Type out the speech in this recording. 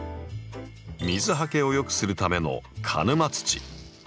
水はけをよくするための鹿沼土。